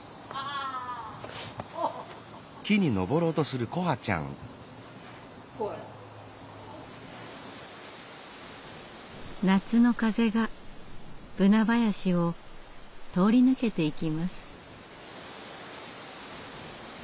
うん。夏の風がブナ林を通り抜けていきます。